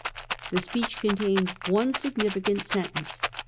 The speech contained one signifi cant sentence.